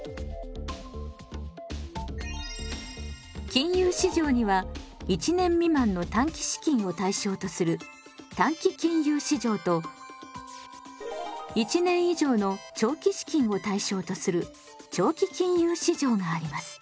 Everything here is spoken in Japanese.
金融市場には１年未満の短期資金を対象とする短期金融市場と１年以上の長期資金を対象とする長期金融市場があります。